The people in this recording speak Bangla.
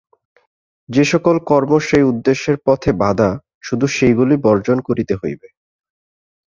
যে-সকল কর্ম সেই উদ্দেশ্যের পথে বাধা, শুধু সেগুলি বর্জন করিতে হইবে।